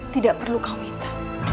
tidak perlu kau minta